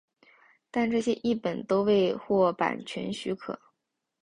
但这些译本都未获版权许可。